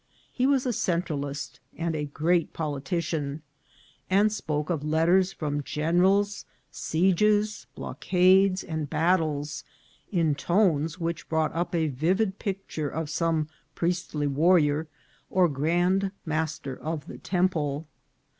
He was a Centralist, and a great politician ; and spoke of letters from generals, sieges, blockades, and battles, in tones which brought up a vivid picture of some priestly warrior or grand master of the Temple.